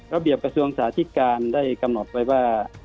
ระเบียบประสุนสหภาษณิการได้กำหนดไว้ว่า